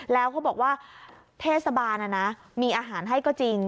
แล้วเขาบอกว่าเทศบาลมีอาหารให้ก็จริง